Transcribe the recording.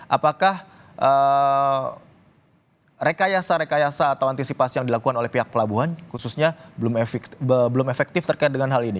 apakah rekayasa rekayasa atau antisipasi yang dilakukan oleh pihak pelabuhan khususnya belum efektif terkait dengan hal ini